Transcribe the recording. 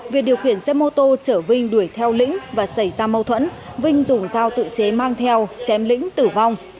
việc điều khiển xe mô tô chở vinh đuổi theo lĩnh và xảy ra mâu thuẫn vinh dùng dao tự chế mang theo chém lĩnh tử vong